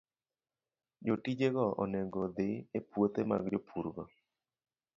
Jotijego onego odhi e puothe mag jopurgo